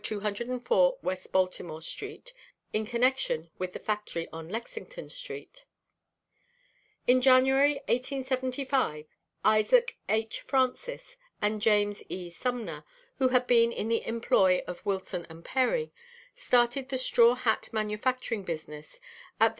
204 West Baltimore street, in connection with the factory on Lexington street. In January, 1875, Isaac H. Francis and James E. Sumner, who had been in the employ of Wilson & Perry, started the straw hat manufacturing business at the N.